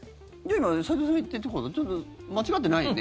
齊藤さんが言ってること間違ってないよね？